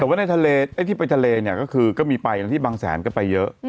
แต่ว่าในทะเลไอ้ที่ไปทะเลเนี่ยก็คือก็มีไปนะที่บางแสนก็ไปเยอะ